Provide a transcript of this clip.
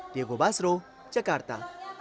diego basro jakarta